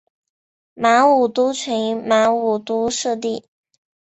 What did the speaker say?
马武督群马武督社地。